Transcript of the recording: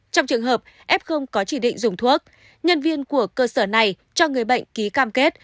trong trường hợp f có chỉ định dùng thuốc nhân viên của cơ sở này cho người bệnh ký cam kết